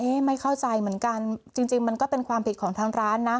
ไม่เข้าใจเหมือนกันจริงมันก็เป็นความผิดของทางร้านนะ